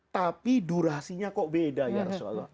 tapi durasinya kok beda ya rasulullah